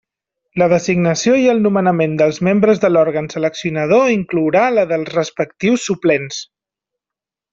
La designació i el nomenament dels membres de l'òrgan seleccionador inclourà la dels respectius suplents.